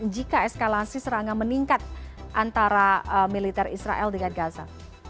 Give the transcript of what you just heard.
jika eskalasi serangan meningkat antara militer israel dengan gaza